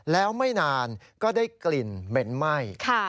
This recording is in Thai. แล้วไม่นานก็ได้กลิ่นเหม็นไหม้